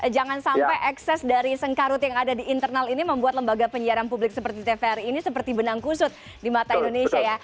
jangan sampai ekses dari sengkarut yang ada di internal ini membuat lembaga penyiaran publik seperti tvri ini seperti benang kusut di mata indonesia ya